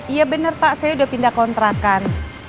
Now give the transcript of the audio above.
iya bener pak saya udah pindah kontrakan